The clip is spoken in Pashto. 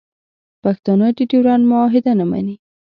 پښتانه د ډیورنډ معاهده نه مني